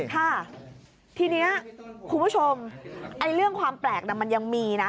ค่ะทีนี้คุณผู้ชมเรื่องความแปลกมันยังมีนะ